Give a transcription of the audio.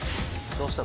どうした？